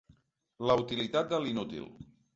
La utilitat de l’inútil.